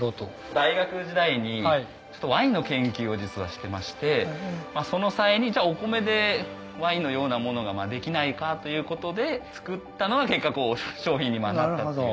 大学時代にワインの研究を実はしてましてその際にお米でワインのようなものができないかということで造ったのが結果商品になったっていう。